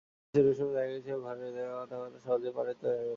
আইলা-সিডরের সময় দেখা গিয়েছিল, ঘেরের জন্য কাটা বাঁধ সহজেই পানির তোড়ে ভেঙে পড়ে।